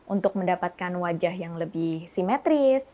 untuk mendapatkan wajah yang lebih simetris